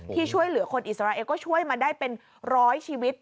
ที่ช่วยเหลือคนอิสราเอลก็ช่วยมาได้เป็นร้อยชีวิต